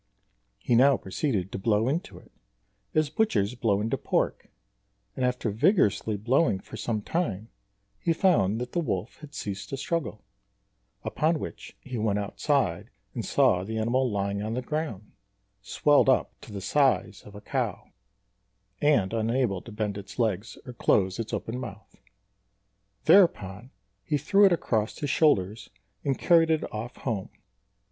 He now proceeded to blow into it, as butchers blow into pork; and after vigorously blowing for some time, he found that the wolf had ceased to struggle; upon which he went outside and saw the animal lying on the ground, swelled up to the size of a cow, and unable to bend its legs or close its open mouth. Thereupon he threw it across his shoulders and carried it off home.